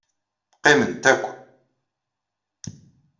Qqiment akk.